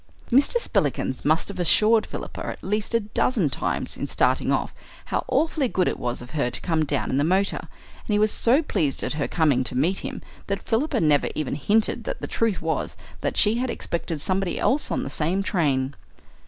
Mr. Spillikins must have assured Philippa at least a dozen times in starting off how awfully good it was of her to come down in the motor; and he was so pleased at her coming to meet him that Philippa never even hinted that the truth was that she had expected somebody else on the same train.